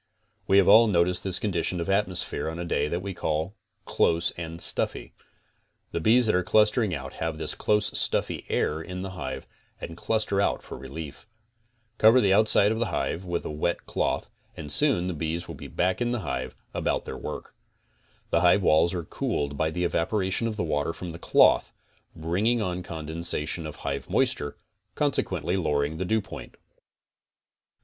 We have all noticed this condition of atmosphere on a day that we call close and stuffy. The bees that are clustering out have this close stuffy air in the hive and cluster out for relief. Cover the outside of the hive with a wet cloth and soon the 30 CONSTRUCTIVE BEEKEEPING bees will be back in the hive about their work. The hive walls are cooled by the evaporation of the water from the cloth, bring ing on condensation of hive moisture, consequently lowering the dewpoint.